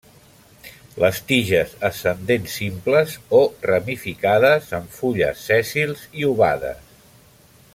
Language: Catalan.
Les tiges ascendents simples o ramificades amb fulles sèssils i ovades.